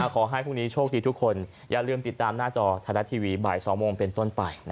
ขอให้พรุ่งนี้โชคดีทุกคนอย่าลืมติดตามหน้าจอไทยรัฐทีวีบ่าย๒โมงเป็นต้นไป